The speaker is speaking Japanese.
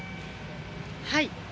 はい。